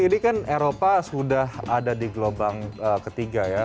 ini kan eropa sudah ada di gelombang ketiga ya